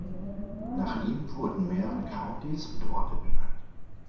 Nach ihm wurden mehrere Countys und Orte benannt.